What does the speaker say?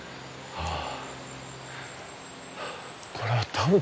ああ。